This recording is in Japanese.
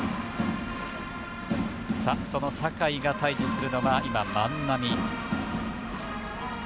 その酒居が対じするのは万波。